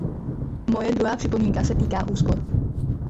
Moje druhá připomínka se týká úspor.